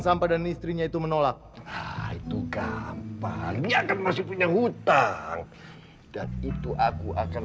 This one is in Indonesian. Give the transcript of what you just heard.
sampah dan istrinya itu menolak itu kapan dia akan masih punya hutang dan itu aku akan